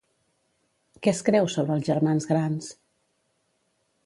Què es creu sobre els germans grans?